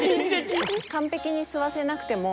完璧に吸わせなくても。